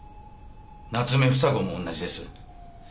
夏目房子も同じです。